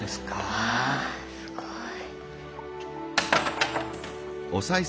わあすごい。